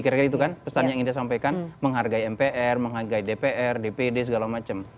jadi kira kira itu kan pesan yang ingin dia sampaikan menghargai mpr menghargai dpr dpd segala macam